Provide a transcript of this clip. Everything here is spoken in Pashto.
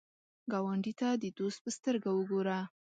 ګاونډي ته د دوست په سترګه وګوره